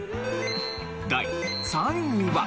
第３位は。